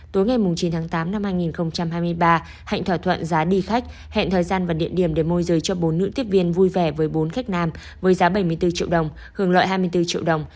tối ngày chín tháng tám năm hai nghìn hai mươi ba hạnh thỏa thuận giá đi khách hẹn thời gian và địa điểm để môi giới cho bốn nữ tiếp viên vui vẻ với bốn khách nam với giá bảy mươi bốn triệu đồng hưởng lợi hai mươi bốn triệu đồng